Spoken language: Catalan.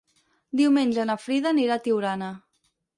Diumenge na Frida anirà a Tiurana.